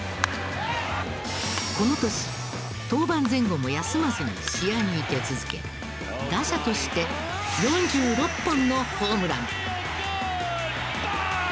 この年登板前後も休まずに試合に出続け打者として４６本のホームラン。